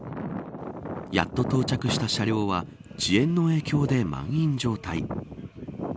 やっと到着した車両は遅延の影響で満員状態。